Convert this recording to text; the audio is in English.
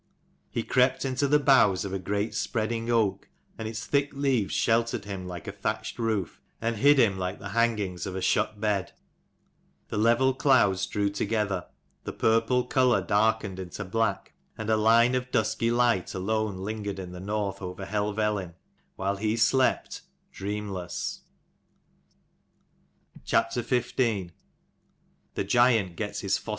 He crept into the boughs of a great spreading oak, and its thick leaves sheltered him like a thatched roof and hid him like the hangings of a shut bed. The level clouds drew together ; the purple colour darkened into black ; and a line of dusky light alone lingered in the North over Helvellyn, while he slept, dreamless.